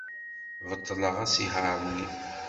Beṭleɣ asihaṛ-nni.